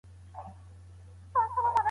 هغه په انټرنیټ کې د کار لټون کوي.